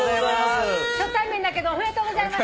初対面だけどおめでとうございます。